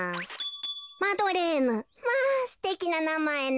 マドレーヌまあすてきななまえね。